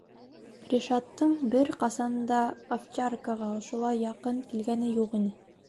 Ришаттың бер ҡасан да овчаркаға ошолай яҡын килгәне юҡ ине.